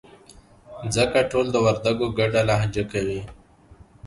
ځکه ټول د وردگو گډه لهجه کوي.